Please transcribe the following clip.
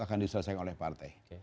akan diselesaikan oleh partai